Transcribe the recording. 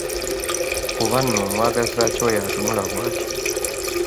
Oba nno amwagaza ki oyo atunula bw'atyo?